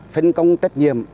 phân công trách nhiệm